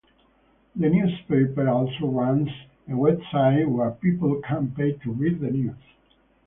The newspaper also runs a website where people can pay to read the news.